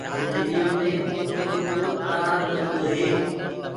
بجليٚ يو مي ڪوپرو ڪو تآر لگدو هي۔